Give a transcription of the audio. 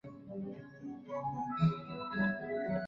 反坦克榴弹发射器的优势主要体现在近距离巷战中。